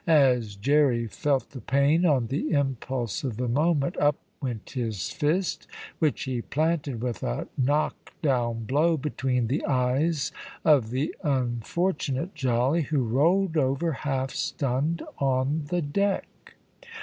As Jerry felt the pain, on the impulse of the moment up went his fist, which he planted with a knock down blow between the eyes of the unfortunate jolly, who rolled over, half stunned, on the deck.